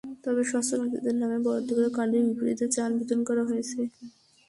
তবে সচ্ছল ব্যক্তিদের নামে বরাদ্দ করা কার্ডের বিপরীতে চাল বিতরণ করা হয়েছে।